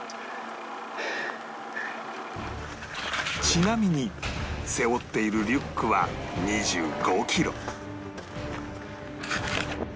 ちなみに背負っているリュックは２５キロ